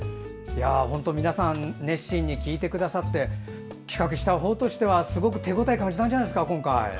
本当、皆さん熱心に聞いてくださって企画した方としては手応え感じたんじゃないですか、今回。